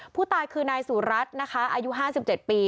ผู้ตายคือนายสุรัตน์นะคะอายุ๕๗ปี